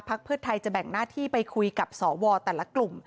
เพื่อไทยจะแบ่งหน้าที่ไปคุยกับสวแต่ละกลุ่ม